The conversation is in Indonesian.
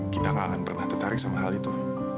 kita gak akan pernah tertarik sama hal itu